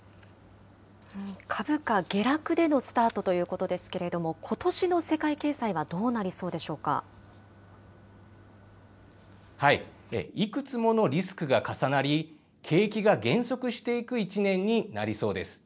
株価下落でのスタートということですけれども、ことしの世界いくつものリスクが重なり、景気が減速していく一年になりそうです。